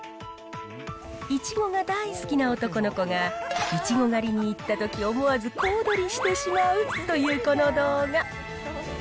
いちごが大好きな男の子が、いちご狩りに行ったとき、思わず小踊りしてしまうというこの動画。